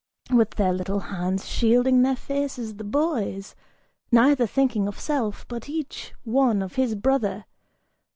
With their little hands shielding their faces, The boys, neither thinking of self, but each one of his brother!